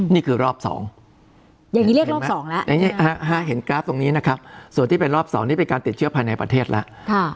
นี่คือรอบ๒ส่วนที่เป็นรอบ๒เป็นการติดเชื้อภายในประเทศแล้ว